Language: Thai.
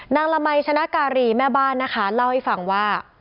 ละมัยชนะการีแม่บ้านนะคะเล่าให้ฟังว่า